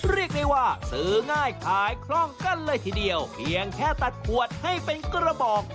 เรียกได้ว่าซื้อง่ายขายคล่องกันเลยทีเดียวเพียงแค่ตัดขวดให้เป็นกระบอก